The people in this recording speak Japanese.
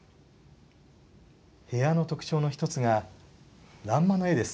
部屋の特徴の１つが欄間の絵です。